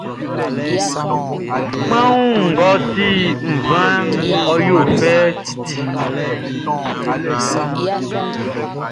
Kpanwun mʼɔ ti nvanʼn, ɔ yo fɛ titi.